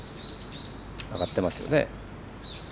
上がってますよね。